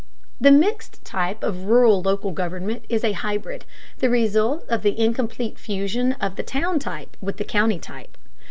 The mixed type of rural local government is a hybrid, the result of the incomplete fusion of the town type with the county type.